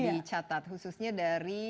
dicatat khususnya dari